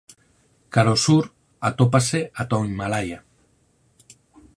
Cara ao sur atópase ata o Himalaia.